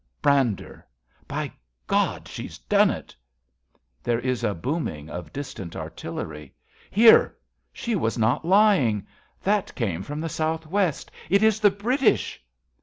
Brander. By God, she's done it ! {There is a booming of distant artillery.) Hear ! She was not lying. That came from the south west. p 65 RADA It is the British